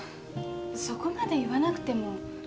そこまで言わなくても。